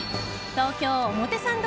東京・表参道